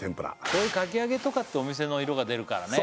こういうかき揚げとかってお店の色が出るからね